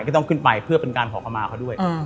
ก็ต้องขึ้นไปเพื่อเป็นการขอเข้ามาเขาด้วย